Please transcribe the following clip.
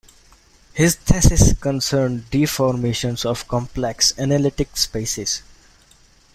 His thesis concerned deformations of complex analytic spaces.